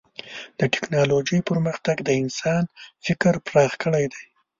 د ټکنالوجۍ پرمختګ د انسان فکر پراخ کړی دی.